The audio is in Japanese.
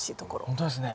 ほんとですね。